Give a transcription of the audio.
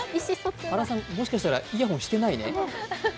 原さん、もしかしたらイヤホンしてないね。